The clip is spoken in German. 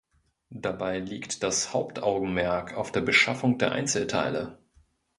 Dabei liegt das Hauptaugenmerk auf der Beschaffung der Einzelteile.